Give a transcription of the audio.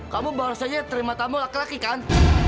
kamu barusannya terima tamu laki laki kan